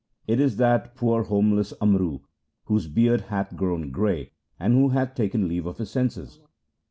It is that poor homeless Amru whose beard hath grown gray, and who hath taken leave of his senses.